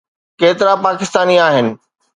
ڪيترا پاڪستاني آهن؟